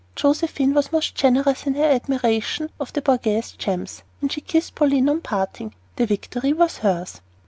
Josephine was most generous in her admiration of the Borghese gems, and she kissed Pauline on parting. The victory was hers.